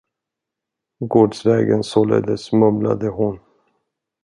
Gårdsvägen således, mumlade hon.